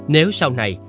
nếu sau này